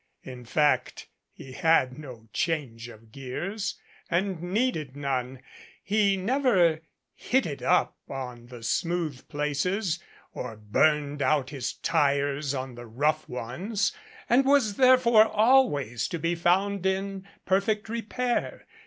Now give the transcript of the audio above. In fact he had no change of gears and needed none. He never "hit it up" on the smooth places or burned out his tires on the rough ones, and was therefore always to be found in perfect repair.